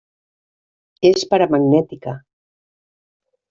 És paramagnètica.